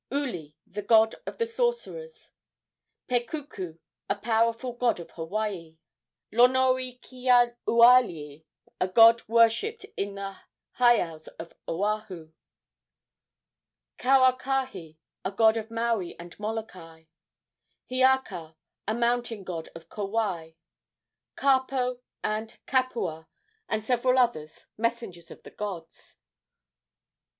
Uli, the god of the sorcerers. Pekuku, a powerful god of Hawaii. Lonoikeaualii, a god worshipped in the heiaus of Oahu. Kauakahi, a god of Maui and Molokai. Hiaka, a mountain god of Kauai. Kapo and Kapua, and several others, messengers of the gods.